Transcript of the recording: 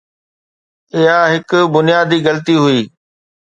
اها هڪ بنيادي غلطي هئي.